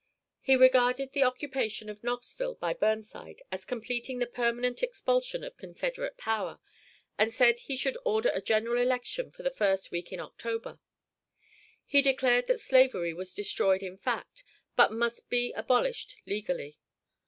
He regarded the occupation of Knoxville by Burnside as completing the permanent expulsion of Confederate power, and said he should order a general election for the first week in October. He declared that slavery was destroyed in fact, but must be abolished legally.